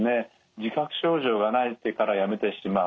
自覚症状がないからやめてしまう。